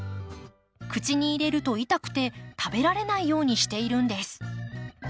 口に入れると痛くて食べられないようにしているんです。